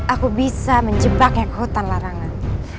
aku bisa menjebak yang hutan larangan